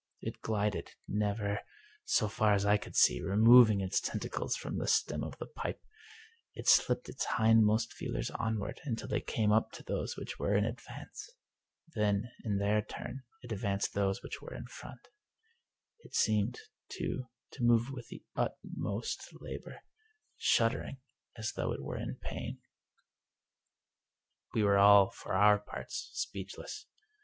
It glided, never, so far as I could see, removing its tentacles from the stem of the pipe. It slipped its hind most feelers onward until they came up to those which were in advance. Then, in their turn, it advanced those which were in front. It seemed, too, to move with the utmost labor, shuddering as though it were in pain. We were all, for our parts, speechless.